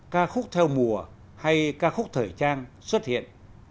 ca khúc theo mùa hay ca khúc thời trang xuất hiện